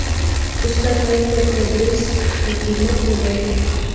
استاد باید پر تدریس حاکمیت ولري.